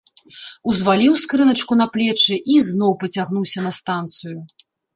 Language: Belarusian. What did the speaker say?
Узваліў скрыначку на плечы і ізноў пацягнуўся на станцыю.